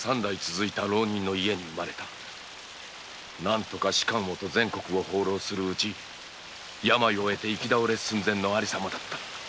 何とか仕官をと全国を放浪するうち病を得て行き倒れ寸前の有様だった。